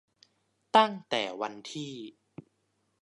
ตั้งแต่วันที่